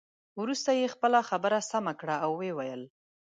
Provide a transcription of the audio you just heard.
وروسته یې خپله خبره سمه کړه او ويې ویل.